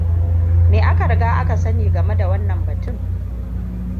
Me aka riga aka sani game da wannan batun?